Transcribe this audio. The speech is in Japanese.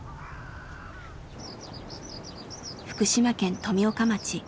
福島県富岡町。